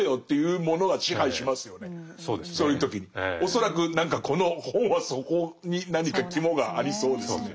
恐らく何かこの本はそこに何か肝がありそうですね。